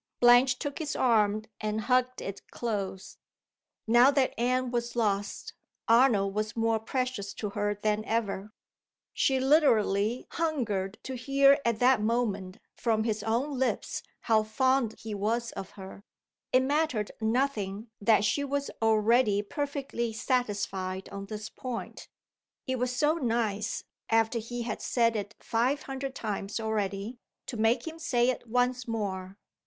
Blanche took his arm and hugged it close. Now that Anne was lost, Arnold was more precious to her than ever. She literally hungered to hear at that moment, from his own lips, how fond he was of her. It mattered nothing that she was already perfectly satisfied on this point. It was so nice (after he had said it five hundred times already) to make him say it once more!